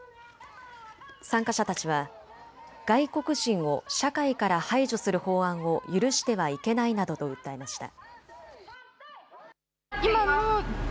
参加者たちは外国人を社会から排除する法案を許してはいけないなどと訴えました。